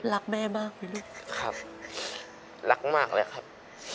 รักแม่มากไหมลูกครับรักมากเลยครับ